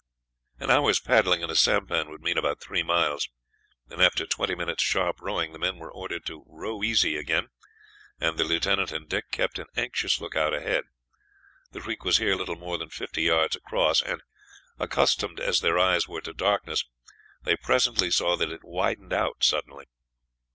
An hour's paddling in a sampan would mean about three miles, and after twenty minutes' sharp rowing, the men were ordered to row easy again, and the lieutenant and Dick kept an anxious lookout ahead. The creek was here little more than fifty yards across, and, accustomed as their eyes were to darkness, they presently saw that it widened out suddenly.